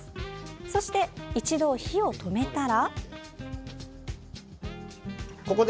そして、一度火を止めたら。